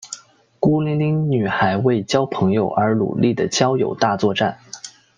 孤零零女孩为交朋友而努力的交友大作战。